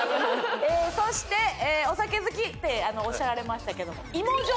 そしてお酒好きっておっしゃられましたけども芋焼酎。